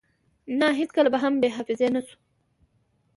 نه هیڅکله به هم بی حافظی نشو